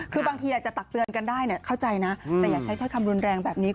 คือบางทีอาจจะตักเตือนกันได้เข้าใจนะแต่อย่าใช้ถ้อยคำรุนแรงแบบนี้